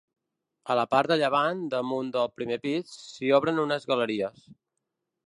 A la part de llevant, damunt del primer pis, s'hi obren unes galeries.